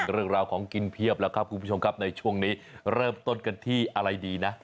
เรื่องราวของกินเพียบแล้วครับคุณผู้ชมครับในช่วงนี้เริ่มต้นกันที่อะไรดีนะ